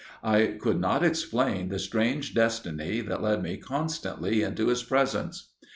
I could not explain the strange destiny that led me constantly into his presence.